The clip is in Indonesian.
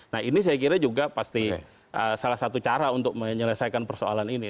nah ini saya kira juga pasti salah satu cara untuk menyelesaikan persoalan ini